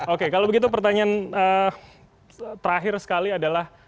oke kalau begitu pertanyaan terakhir sekali adalah